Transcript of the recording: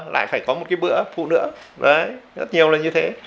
lại phải có một bữa phụ nữa rất nhiều là như thế